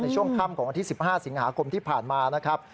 ช่วงค่ำของวันที่๑๕สิงหาคมที่ผ่านมานะครับ